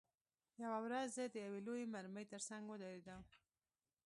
یوه ورځ زه د یوې لویې مرمۍ ترڅنګ ودرېدم